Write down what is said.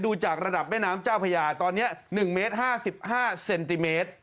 จากระดับแม่น้ำเจ้าพญาตอนนี้๑เมตร๕๕เซนติเมตร